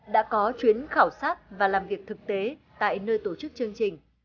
đã có chuyến khảo sát và làm việc thực tế tại nơi tổ chức chương trình